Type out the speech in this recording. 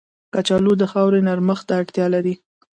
کچالو د خاورې نرمښت ته اړتیا لري